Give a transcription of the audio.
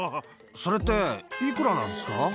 それって、いくらなんですか。